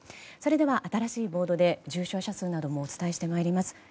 それでは新しいボードで重症者数などもお伝えします。